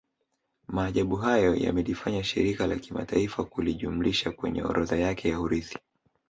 Maajabu hayo yamelifanya Shirika la Kimataifa kulijumlisha kwenye orodha yake ya urithi